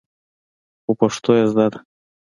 خو پښتو يې زده ده.